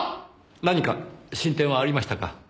何か進展はありましたか？